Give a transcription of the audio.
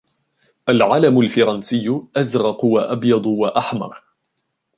العلم الفرنسي ازرق و ابيض و احمر.